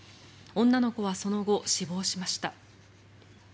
女の子はその後、死亡しました。